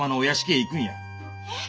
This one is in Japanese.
えっ？